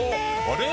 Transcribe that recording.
あれ？